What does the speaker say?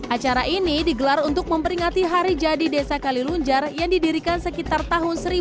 acara ini digelar untuk memperingati hari jadi desa kalilunjar yang didirikan sekitar tahun seribu sembilan ratus delapan puluh